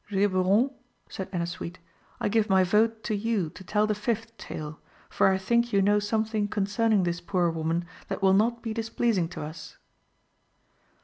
"Geburon," said Ennasuite, "I give my vote to you to tell the fifth tale, for I think you know something concerning this poor woman that will not be displeasing to us."